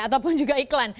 ataupun juga iklan